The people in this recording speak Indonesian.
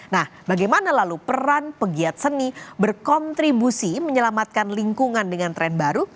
nah bagaimana lalu peran pegiat seni berkontribusi menyelamatkan lingkungan dengan tren baru